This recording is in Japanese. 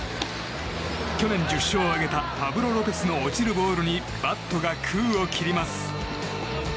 去年１０勝を挙げたパブロ・ロペスの落ちるボールにバットが空を切ります。